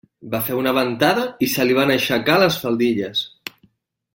Va fer una ventada i se li van aixecar les faldilles.